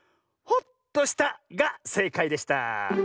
「ホッとした」がせいかいでした。